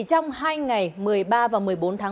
trong hai ngày một mươi ba và một mươi bốn tháng bốn